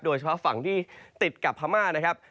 เฉพาะฝั่งที่ติดกับพม่านะครับ